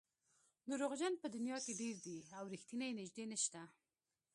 دروغجن په دنیا کې ډېر دي او رښتیني نژدې نشته.